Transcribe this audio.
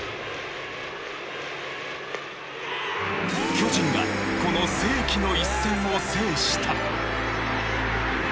巨人がこの世紀の一戦を制した。